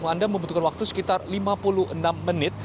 anda membutuhkan waktu sekitar lima puluh enam menit